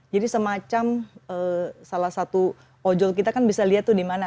jadi semacam salah satu ojol kita kan bisa lihat tuh di mana